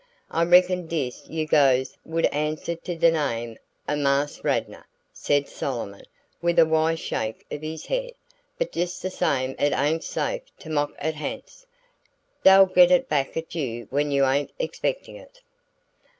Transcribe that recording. "I reckon dis yere gohs would answer to de name o' Marse Radnah," said Solomon, with a wise shake of his head. "But just de same it ain't safe to mock at ha'nts. Dey'll get it back at you when you ain't expectin' it!"